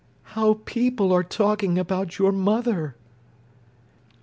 "How people are talking about your mother."